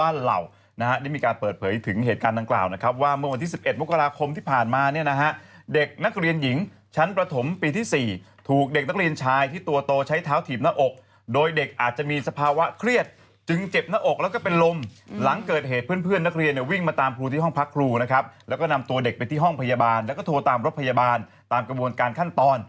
ได้มีการเปิดเผยถึงเหตุการณ์ดังกล่าวนะครับว่าเมื่อวันที่๑๑มกราคมที่ผ่านมาเนี่ยนะฮะเด็กนักเรียนหญิงชั้นประถมปีที่๔ถูกเด็กนักเรียนชายที่ตัวโตใช้เท้าถีบหน้าอกโดยเด็กอาจจะมีสภาวะเครียดจึงเจ็บหน้าอกแล้วก็เป็นลมหลังเกิดเหตุเพื่อนนักเรียนวิ่งมาตามครูที่ห้องพักครูนะครับแล